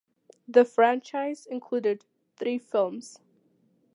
The franchise includes three films.